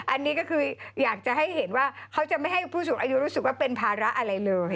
อันนี้ก็คืออยากจะให้เห็นว่าเขาจะไม่ให้ผู้สูงอายุรู้สึกว่าเป็นภาระอะไรเลย